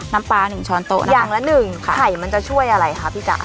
น้ำปลาหนึ่งช้อนโต๊ะอย่างละหนึ่งค่ะไข่มันจะช่วยอะไรคะพี่จ๋า